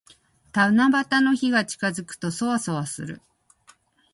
七夕の日が近づくと、そわそわする。